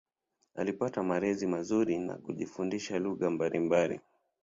Alipata malezi mazuri na kujifunza lugha mbalimbali.